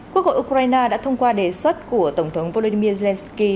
quốc hội ukraine đã thông qua đề xuất của tổng thống volodymyr zelensky